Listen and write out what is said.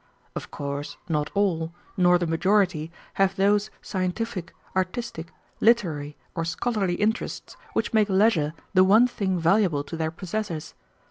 "Of course not all, nor the majority, have those scientific, artistic, literary, or scholarly interests which make leisure the one thing valuable to their possessors.